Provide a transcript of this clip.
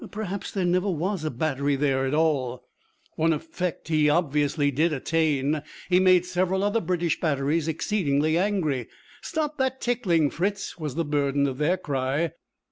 Perhaps there never was a battery there at all. One effect he obviously did attain. He made several other British batteries exceedingly angry. 'Stop that tickling, Fritz!' was the burden of their cry.